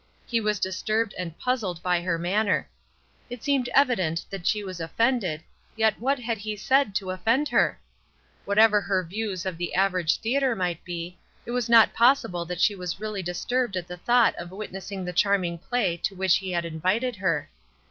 He was disturbed and puzzled by her manner. It seemed evident that she was offended, yet what had he said to offend her? Whatever ON THE TRAIL 151 her views of the average theatre might be, it was not possible that she was really disturbed at the thought of witnessing the charming play to which he had invited her.